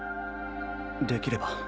できれば。